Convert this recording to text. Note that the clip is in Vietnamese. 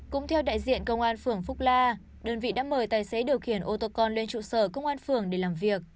cũng theo đại diện công an phường phúc la đơn vị đã mời tài xế điều khiển ô tô con lên trụ sở công an phường để làm việc